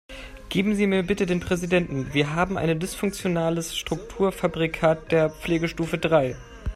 Geben Sie mir bitte den Präsidenten, wir haben ein dysfunktionales Strukturfabrikat der Pflegestufe drei.